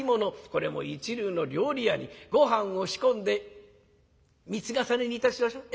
これも一流の料理屋にごはんを仕込んで３つ重ねにいたしましょう。